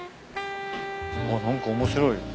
あっ何か面白い。